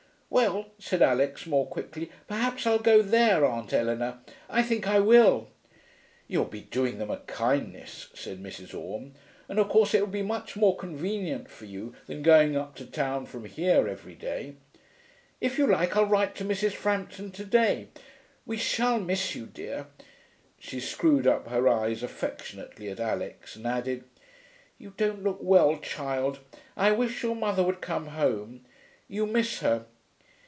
'Well,' said Alix, more quickly, 'perhaps I'll go there, Aunt Eleanor. I think I will.' 'You'll be doing them a kindness,' said Mrs. Orme. 'And of course it will be much more convenient for you than going up to town from here every day. If you like I'll write to Mrs. Frampton to day. We shall miss you, dear.' She screwed up her eyes affectionately at Alix, and added, 'You don't look well, child. I wish your mother would come home. You miss her.'